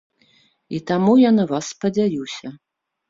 І таму я на вас спадзяюся.